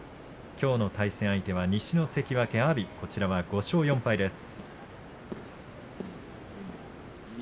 きょうの対戦相手は西の関脇の阿炎、５勝４敗です。